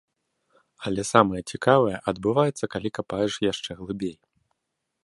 Але самае цікавае адбываецца калі капаеш яшчэ глыбей.